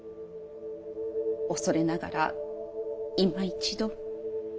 恐れながら今一度。